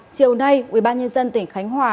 chiều nay ubnd tỉnh khánh hòa